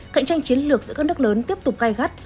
cạnh tranh chiến lược giữa các nước lớn tiếp tục gai gắt